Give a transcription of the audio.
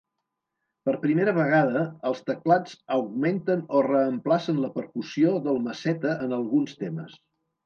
Per primera vegada, els teclats augmenten o reemplacen la percussió del maceta en alguns temes.